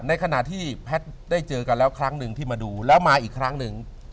ในขณะที่แพทย์ได้เจอกันแล้วครั้งหนึ่งที่มาดูแล้วมาอีกครั้งหนึ่ง